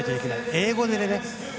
英語でね。